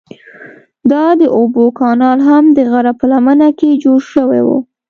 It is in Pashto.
دا د اوبو کانال هم د غره په لمنه کې جوړ شوی و.